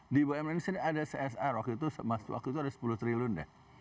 di bumn sini ada csr waktu itu ada sepuluh triliun deh